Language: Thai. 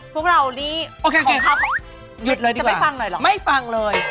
พวกเรานี่โอเคหยุดเลยดีกว่าไม่ฟังเลย